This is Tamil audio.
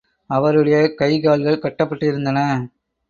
அவருடைய கை, கால்கள் கட்டப்பட்டிருந்தன.